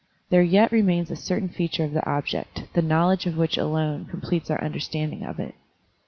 There yet remains a certain feature of the object, the knowledge of which alone completes our understanding of it.